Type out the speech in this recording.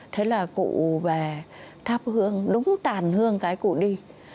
thế là cụ về thắp hương đúng tàn hương cái cụ đi